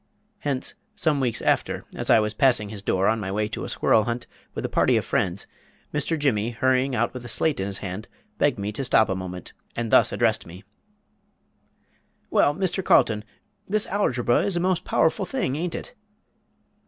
Hence, some weeks after, as I was passing his door, on my way to a squirrel hunt, with a party of friends, Mr. Jimmy, hurrying out with a slate in his hand, begged me to stop a moment, and thus addressed me: "Well, Mr. Carlton, this algebra is a most powerful thing ain't it?"